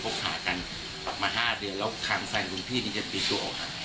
พบหากันมา๕เดือนแล้วข้างใส่คุณพี่นี่จะปีดตัวออก